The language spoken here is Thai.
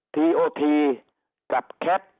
ทีโอทีกับแคท